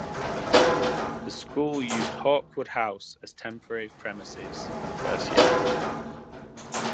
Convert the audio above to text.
The school used Hawkwood House as temporary premises for the first year.